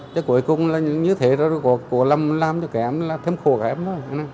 chứ cuối cùng là như thế thôi có làm cho kém là thêm khổ kém thôi